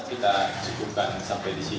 kita cukupkan sampai disini